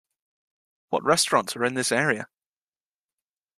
What restaurants are in this area?